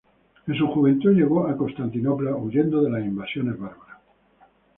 En su juventud llegó a Constantinopla huyendo de las invasiones bárbaras.